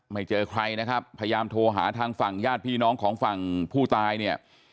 เจอใครนะครับพยายามโทรหาทางฝั่งญาติพี่น้องของฝั่งผู้ตายเนี่ย